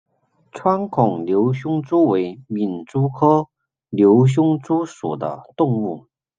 穿孔瘤胸蛛为皿蛛科瘤胸蛛属的动物。